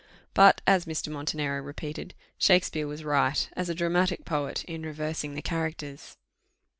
But," as Mr. Montenero repeated, "Shakspeare was right, as a dramatic poet, in reversing the characters."